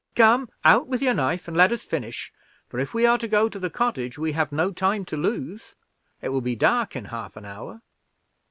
Come, out with your knife, and let us finish; for if we are to go to the cottage, we have no time to lose. It will be dark in half an hour."